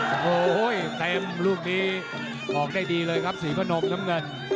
โอ้โหเต็มลูกนี้ออกได้ดีเลยครับศรีพนมน้ำเงิน